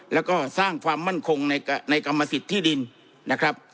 แล้วก็สร้างความมั่นคงในกรรมสิทธิ์ที่ดินนะครับ